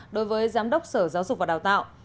đối với giám đốc sở giáo dục và đào tạo